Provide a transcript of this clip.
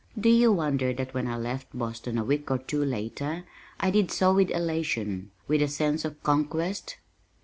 Do you wonder that when I left Boston a week or two later, I did so with elation with a sense of conquest?